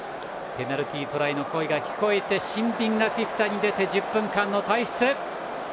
ペナルティートライの声が聞こえてシンビンがフィフィタに出て１０分間の退出。